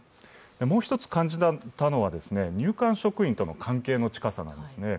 もう一つ感じたのは、入管職員との関係の近さなんですね。